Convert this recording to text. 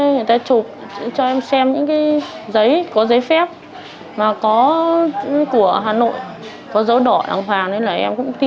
người ta chụp cho em xem những giấy có giấy phép của hà nội có dấu đỏ đàng hoàng em cũng tin